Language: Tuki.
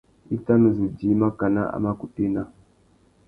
I tà nu zu djï makana a mà kutu ena.